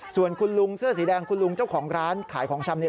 ส่วนคุณลุงเสื้อสีแดงคุณลุงเจ้าของร้านขายของชำเนี่ย